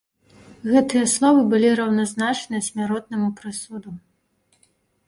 Гэтыя словы былі раўназначныя смяротнаму прысуду.